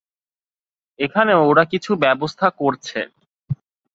এখানেও ওরা কিছু ব্যবস্থা করছে।